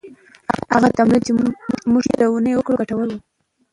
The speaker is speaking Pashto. هغه تمرین چې موږ تېره اونۍ وکړه، ګټور و.